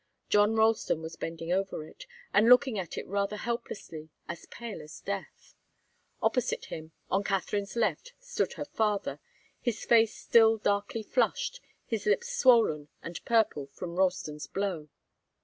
John Ralston was bending over it, and looking at it rather helplessly, as pale as death. Opposite him, on Katharine's left, stood her father, his face still darkly flushed, his lips swollen and purple from Ralston's blow.